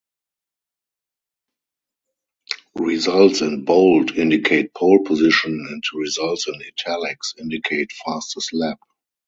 Results in bold indicate pole position, and results in "italics" indicate fastest lap.